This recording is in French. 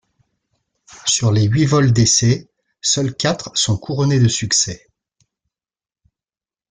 Sur les huit vols d'essai seuls quatre sont couronnés de succès.